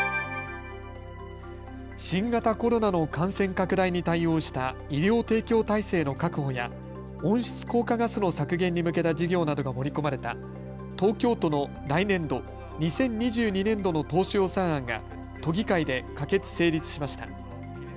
新型コロナの感染拡大に対応した医療提供体制の確保や温室効果ガスの削減に向けた事業などが盛り込まれた東京都の来年度・２０２２年度の当初予算案が都議会で可決・成立しました。